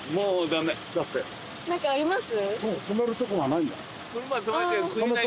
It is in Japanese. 何かあります？